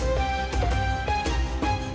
semoga hari ini berjalan baik